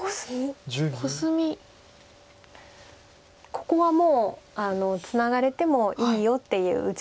ここはもうツナがれてもいいよっていう打ち方です。